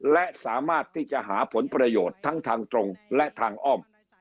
และสามารถที่จะหาผลประโยชน์ทั้งทางตรงและทางอ้อม